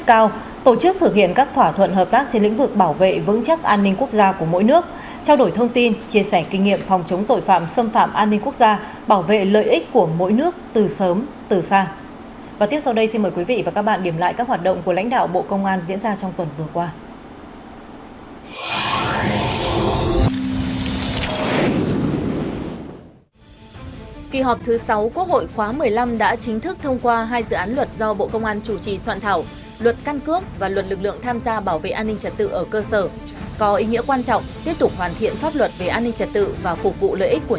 và tiếp sau đây xin mời quý vị và các bạn điểm lại các hoạt động của lãnh đạo bộ công an diễn ra trong tuần vừa qua